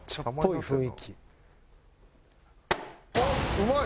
うまい！